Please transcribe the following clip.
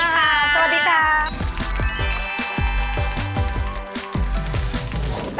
สวัสดีค่ะ